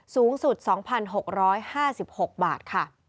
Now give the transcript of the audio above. สูงสุด๒๖๕๖บาท